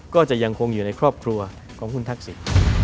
ก็จะยังคงอยู่ในครอบครัวของคุณทักษิณ